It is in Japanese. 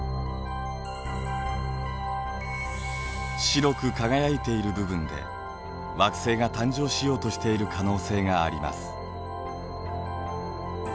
白く輝いている部分で惑星が誕生しようとしている可能性があります。